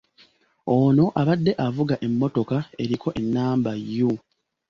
Ono abadde avuga emmotoka eriko ennamba ‘U’